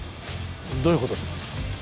どういうことです？